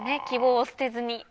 希望を捨てずに。